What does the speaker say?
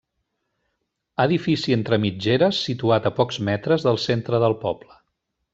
Edifici entre mitgeres situat a pocs metres del centre del poble.